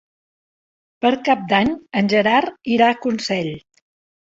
Per Cap d'Any en Gerard irà a Consell.